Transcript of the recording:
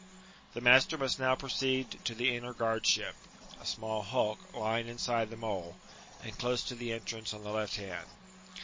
" The nuister must now proceed to the inner guard ship, a small hulk lying inside the Mole, and close to the entrance on the left hand.